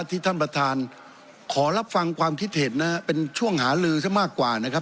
ที่ท่านประธานขอรับฟังความคิดเห็นนะฮะเป็นช่วงหาลือซะมากกว่านะครับ